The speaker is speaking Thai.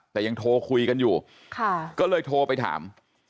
แต่ยังโทรคุยกันอยู่ก็เลยโทรไปถาม